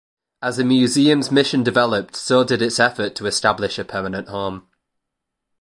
As the museum's mission developed, so did its effort to establish a permanent home.